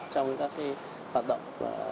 trong các hoạt động